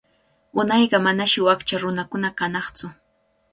Unayqa manashi wakcha nunakuna kanaqtsu.